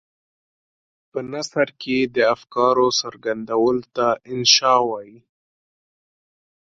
په نثر کې د افکارو څرګندولو ته انشأ وايي.